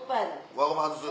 輪ゴム外す。